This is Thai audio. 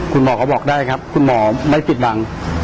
คุณหมอเขาบอกได้ครับคุณหมอไม่ปิดบัง